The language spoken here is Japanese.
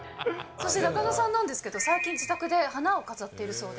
そして仲野さんなんですけど、最近、自宅で花を飾っているそうで。